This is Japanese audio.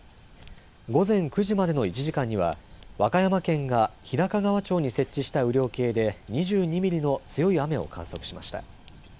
午前９時までの１時間には和歌山県が日高川町に設置した雨量計で２２ミリの強い雨を観測しました。